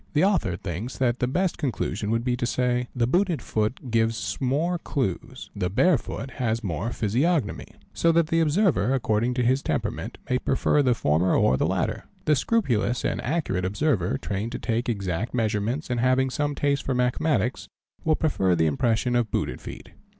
The author thinks that the best conclusion would be to say: "the booted foot gives more clues, the bare foot has more physiognomy "; so that the observer, according to his temperament, may prefer the former or the latter. The scrupulous and accurate observer, trained to take exact measurements and having some taste for mathematics, will prefer the impressions of booted feet.